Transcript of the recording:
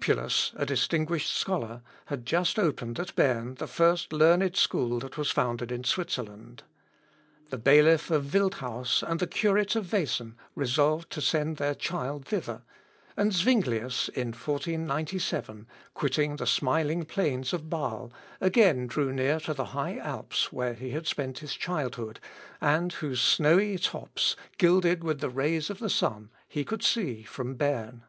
Lupulus, a distinguished scholar, had just opened at Berne the first learned school that was founded in Switzerland. The bailiff of Wildhaus and the curate of Wesen resolved to send their child thither, and Zuinglius, in 1497, quitting the smiling plains of Bâle, again drew near to the high Alps, where he had spent his childhood, and whose snowy tops, gilded with the rays of the sun, he could see from Berne.